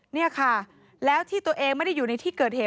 นี่ค่ะแล้วที่ตัวเองไม่ได้อยู่ในที่เกิดเหตุ